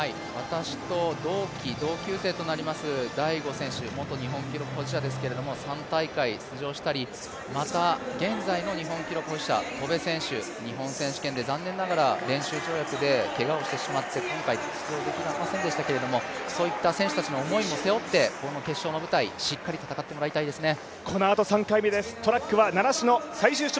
私と同期、同級生となります、大後選手、元日本記録保持者ですけれども、３大会出場したりまた現在の日本記録保持者、戸邉選手、残念ながら練習跳躍でけがをしてしまって、今回、出場を果たせませんでしたけど、そういった思いも背負ってこの決勝の舞台、しっかり戦ってもらいたいですね。